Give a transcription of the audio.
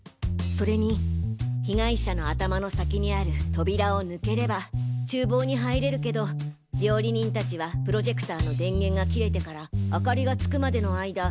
それに被害者の頭の先にある扉をぬければ厨房に入れるけど料理人たちはプロジェクターの電源が切れてから明かりがつくまでの間